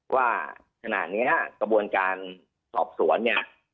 ว่าขณะนี้กระบวนการสอบสวนเนี่ย